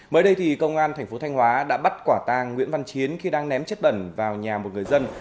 mới đây thì công an tp thanh hóa đã bắt quả tang nguyễn văn chiến khi đang ném chất bẩn vào nhà một người dân